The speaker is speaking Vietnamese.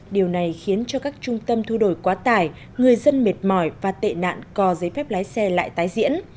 điều này khiến cho các trung tâm thu đổi quá tải người dân mệt mỏi và tệ nạn co giấy phép lái xe lại tái diễn